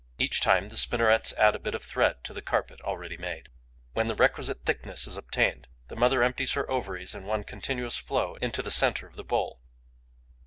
Each time, the spinnerets add a bit of thread to the carpet already made. When the requisite thickness is obtained, the mother empties her ovaries, in one continuous flow, into the centre of the bowl.